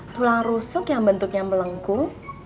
tulang rusuk yang bentuknya melengkung